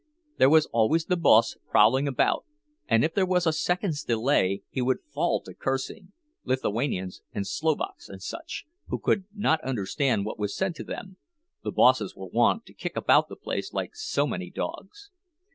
There was always the boss prowling about, and if there was a second's delay he would fall to cursing; Lithuanians and Slovaks and such, who could not understand what was said to them, the bosses were wont to kick about the place like so many dogs.